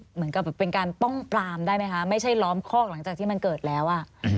เหมือนกับเป็นการป้องปรามได้ไหมคะไม่ใช่ล้อมคอกหลังจากที่มันเกิดแล้ว